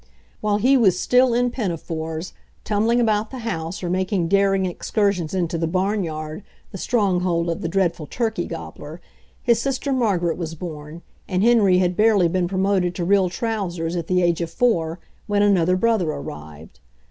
While he was still in pinafores, tumbling about the house or making daring excursions into the barnyard, the strong hold of the dreadful turkey gobbler, his sister, Margaret, was born, and Henry had barely been promoted to real trousers, at the age of four, when another brother arrived.